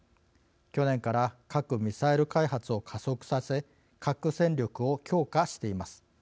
去年から核・ミサイル開発を加速させ、核戦力を強化しています。